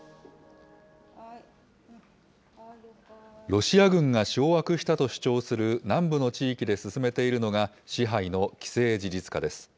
ロシア軍が掌握したと主張する南部の地域で進めているのが、支配の既成事実化です。